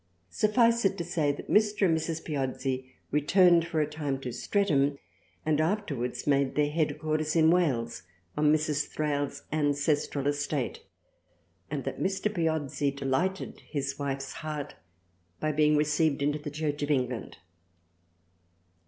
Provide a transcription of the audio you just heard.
Suffice it to say, that Mr. and Mrs. Piozzi returned for a time to Streatham and afterwards made their headquarters in Wales on Mrs. Thrale's ancestral estate, and that Mr. Piozzi delighted his wife's heart by being received into the Church of England.